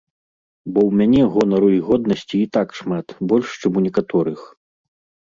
Бо ў мяне гонару і годнасці і так шмат, больш, чым у некаторых.